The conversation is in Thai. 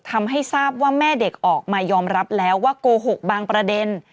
ทำให้ทราบว่าแม่เด็กออกมายอมรับแล้วว่าโกหกบางประเด็น